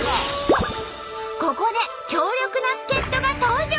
ここで強力な助っ人が登場！